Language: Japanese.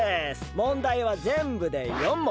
問題はぜんぶで４問！